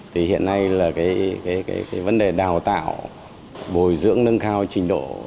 thì hiện nay là cái vấn đề đào tạo bồi dưỡng nâng cao trình độ